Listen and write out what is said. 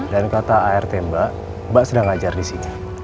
dan kata art mbak mbak sedang ngajar di sini